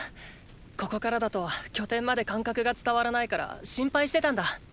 ここからだと拠点まで感覚が伝わらないから心配してたんだ。